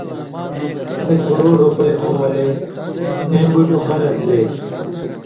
ایک کُروڑ رُوپئ ہوں ولے ایں بُٹیۡ اُو قرض دے،